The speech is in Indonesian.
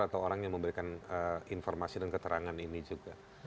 atau orang yang memberikan informasi dan keterangan ini juga